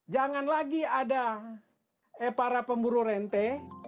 jangan lagi ada para pemburu rente